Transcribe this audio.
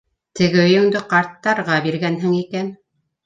Теге өйөңдө ҡарттарға биргән икәнһең.